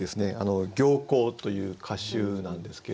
「曉紅」という歌集なんですけども。